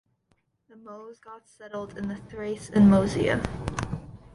The Moesogoths settled in Thrace and Moesia.